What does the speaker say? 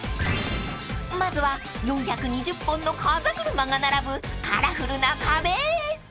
［まずは４２０本のかざぐるまが並ぶカラフルな壁］